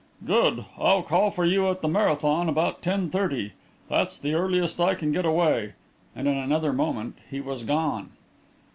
"Good. I'll call for you at the Marathon about ten thirty. That's the earliest I can get away," and in another moment he was gone.